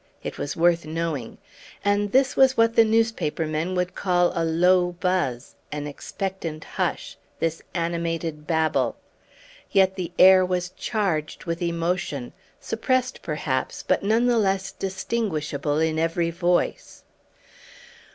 It was worth knowing. And this was what the newspaper men would call a low buzz an expectant hush this animated babble! Yet the air was charged with emotion, suppressed perhaps, but none the less distinguishable in every voice.